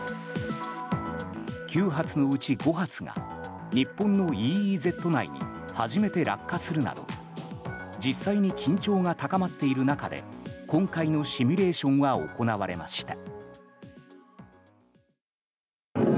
９発のうち５発が、日本のＥＥＺ内に初めて落下するなど実際に緊張が高まっている中で今回のシミュレーションは行われました。